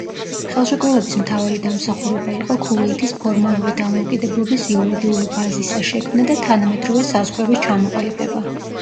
ხელშეკრულების მთავარი დამსახურება იყო ქუვეითის ფორმალური დამოუკიდებლობის იურიდიული ბაზისა შექმნა და თანამედროვე საზღვრების ჩამოყალიბება.